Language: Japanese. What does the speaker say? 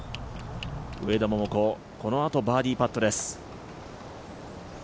上田桃子、このあとバーディーパットです。